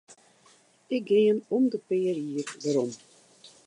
Ik gean om de pear jier werom.